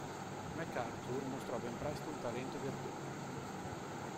MacArthur mostrò ben presto un talento di attore.